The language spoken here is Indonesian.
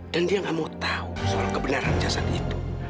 dan dia nggak mau tahu soal kebenaran jasad itu